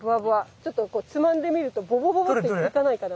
ちょっとこうつまんでみるとボボボボっていかないかな？